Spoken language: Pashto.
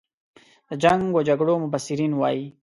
د جنګ و جګړو مبصرین وایي.